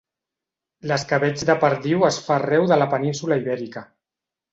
L'escabetx de perdiu es fa arreu de la península Ibèrica.